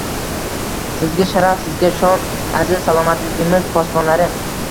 Sizga sharaf, sizga shon aziz salomatligimiz posbonlari